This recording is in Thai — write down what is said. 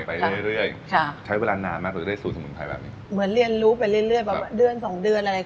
ไปเรื่อยเรื่อยค่ะใช้เวลานานมากเราจะได้สูตรสมุนไพรแบบนี้เหมือนเรียนรู้ไปเรื่อยเรื่อยแบบเดือนสองเดือนอะไร